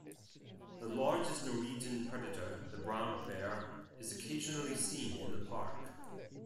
The largest Norwegian predator, the brown bear, is occasionally seen in the park.